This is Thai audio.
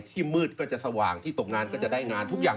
ที่มืดก็จะสงส่าห์ที่ตกงานก็จะผิดไป